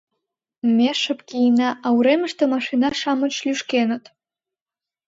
Ме шып киенна, а уремыште машина-шамыч лӱшкеныт.